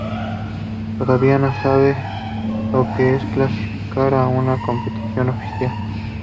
Todavía no sabe lo que es clasificar a una competición oficial.